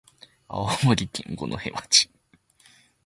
青森県五戸町